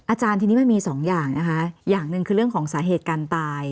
อาจารย์ทีนี้มันมีสองอย่างนะคะอย่างหนึ่งคือเรื่องของสาเหตุการตาย